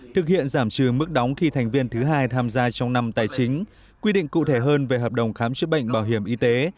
thực hiện giảm trừ mức đóng khi thành viên thứ hai tham gia trong năm tài chính quy định cụ thể hơn về hợp đồng khám chữa bệnh bảo hiểm y tế